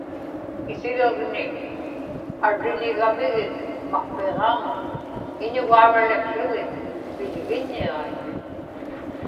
isigagni arriḷigamigik maqpiġaamun iñugauraliqł̣ugik piḷgiññiġaik